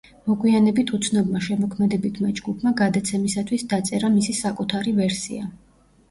მოგვიანებით უცნობმა შემოქმედებითმა ჯგუფმა გადაცემისათვის დაწერა მისი საკუთარი ვერსია.